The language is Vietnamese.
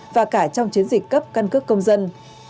và cả trong chiến dịch cấp căn cước công dân